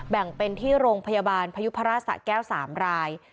แบ่งเป็นที่โรงพยาบาลพยุพราชสะแก้ว๓ราย